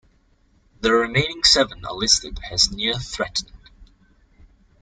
The remaining seven are listed as Near Threatened.